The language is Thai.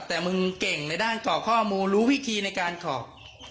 แต่มึงเก่งในด้านกรอกข้อมูลรู้วิธีในการกรอก